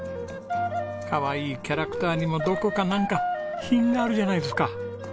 かわいいキャラクターにもどこかなんか品があるじゃないですか。